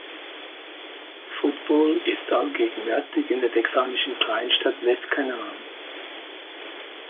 Football ist allgegenwärtig in der texanischen Kleinstadt West Canaan.